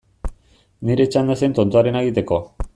Nire txanda zen tontoarena egiteko.